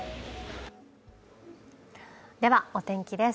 では、お天気です。